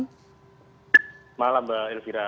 selamat malam mbak elvira